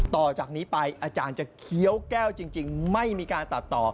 ต่อจากนี้ไปอาจารย์จะเคี้ยวแก้วจริงไม่มีการตัดต่อ